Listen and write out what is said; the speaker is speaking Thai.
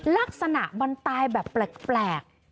ลักษณะมันตายแบบแปลก